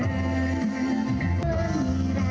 แหลคค่ะ